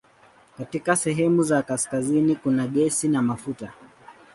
Katika sehemu za kaskazini kuna gesi na mafuta.